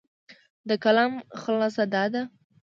د کلام خلاصه دا ده،